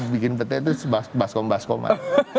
bikin petai itu baskom baskom kan